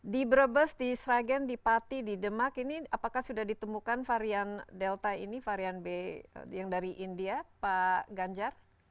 di brebes di sragen di pati di demak ini apakah sudah ditemukan varian delta ini varian b yang dari india pak ganjar